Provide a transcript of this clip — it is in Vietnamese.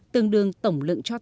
tương đương tổng lượng cho xỉ